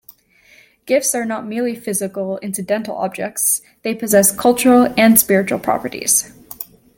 Gifts are not merely physical, incidental objects; they possess cultural and spiritual properties.